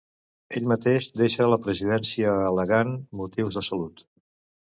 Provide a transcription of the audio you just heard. Ell mateix deixà la presidència al·legant motius de salut.